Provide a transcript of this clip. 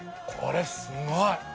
これすごい！